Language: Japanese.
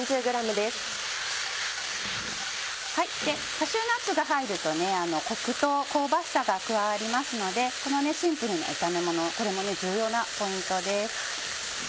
カシューナッツが入るとコクと香ばしさが加わりますのでこのシンプルな炒めもののこれもね重要なポイントです。